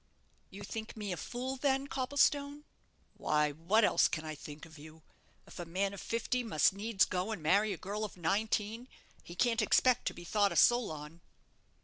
"You think me a fool, then, Copplestone?" "Why, what else can I think of you? If a man of fifty must needs go and marry a girl of nineteen, he can't expect to be thought a Solon."